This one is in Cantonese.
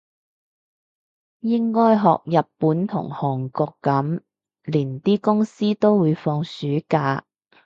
應該學日本同韓國噉，連啲公司都會放暑假